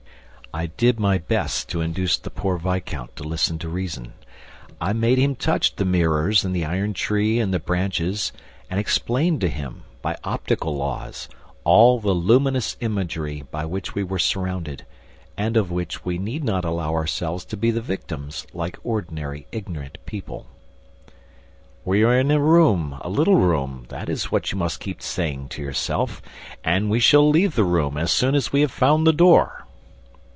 I did my best to induce the poor viscount to listen to reason. I made him touch the mirrors and the iron tree and the branches and explained to him, by optical laws, all the luminous imagery by which we were surrounded and of which we need not allow ourselves to be the victims, like ordinary, ignorant people. "We are in a room, a little room; that is what you must keep saying to yourself. And we shall leave the room as soon as we have found the door."